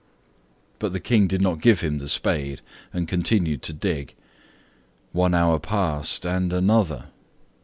But the King did not give him the spade, and continued to dig. One hour passed, and another.